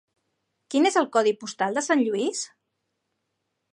Quin és el codi postal de Sant Lluís?